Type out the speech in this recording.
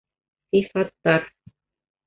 Сифаттар